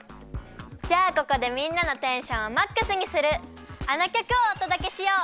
じゃあここでみんなのテンションをマックスにするあのきょくをおとどけしよう！